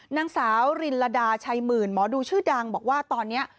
นางสาวรินลดาชัยหมื่นหมอดูชื่อดังบอกว่าตอนนี้